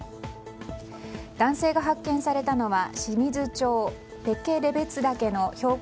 男性が発見されたのは清水町ペケレベツ岳の標高